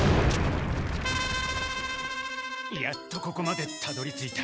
やっとここまでたどりついた。